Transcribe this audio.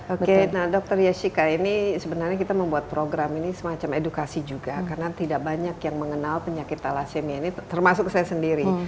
oke nah dokter jessica ini sebenarnya kita membuat program ini semacam edukasi juga karena tidak banyak yang mengenal penyakit thalassemia ini termasuk saya sendiri